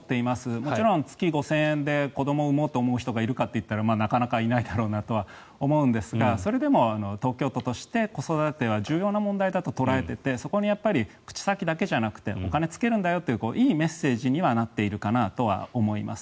もちろん月５０００円で子どもを産もうと思う人がいるかといったらなかなかいないだろうなとは思うんですがそれでも東京都として子育ては重要な問題だと捉えていてそこに口先だけではなくてお金をつけるんだよっていいメッセージにはなっているかなと思います。